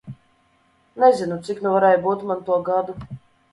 Nezinu, cik nu varēja būt man to gadu.